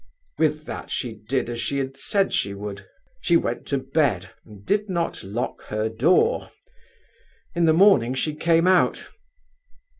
"With that she did as she had said she would; she went to bed, and did not lock her door. In the morning she came out.